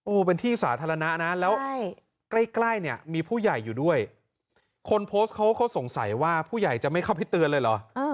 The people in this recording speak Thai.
เป็นที่สาธารณะนะแล้วใกล้ใกล้เนี่ยมีผู้ใหญ่อยู่ด้วยคนโพสต์เขาเขาสงสัยว่าผู้ใหญ่จะไม่เข้าไปเตือนเลยเหรอ